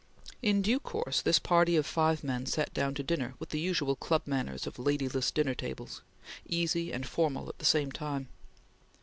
In due course this party of five men sat down to dinner with the usual club manners of ladyless dinner tables, easy and formal at the same time.